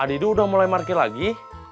adidu udah mulai market lagi